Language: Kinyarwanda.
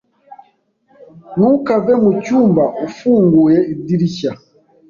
Ntukave mucyumba ufunguye idirishya.